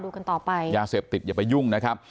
ถูกต้องครับอย่าเสพติดอย่าไปยุ่งนะครับ